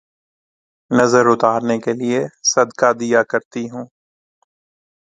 نظر اتارنے کیلئے صدقہ دیا کرتی ہوں